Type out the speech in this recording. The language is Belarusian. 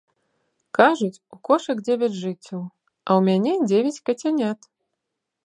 Кажуць, у кошак дзевяць жыццяў, а ў мяне дзевяць кацянят.